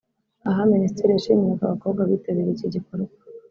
Aha minisitiri yashimiraga abakobwa bitabiriye iki gikorwa